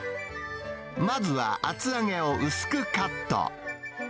まずは厚揚げを薄くカット。